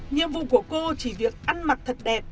nhiệm vụ của cô chỉ việc ăn mặc thật đẹp